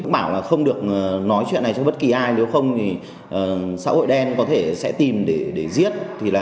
bảo là không được nói chuyện này cho bất kỳ ai nếu không thì xã hội đen có thể sẽ tìm để giết thì là